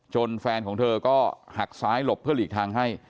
แฟนของเธอก็หักซ้ายหลบเพื่อหลีกทางให้